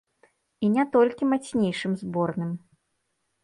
І не толькі мацнейшым зборным!